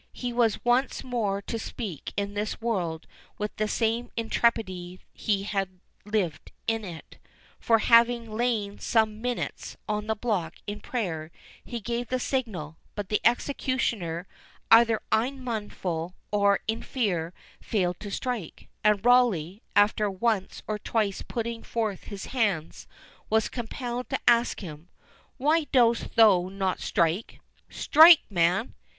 He was once more to speak in this world with the same intrepidity he had lived in it for, having lain some minutes on the block in prayer, he gave the signal; but the executioner, either unmindful, or in fear, failed to strike, and Rawleigh, after once or twice putting forth his hands, was compelled to ask him, "Why dost thou not strike? Strike! man!"